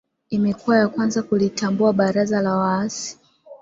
imekuwa ya kwanza kulitambua baraza la waasi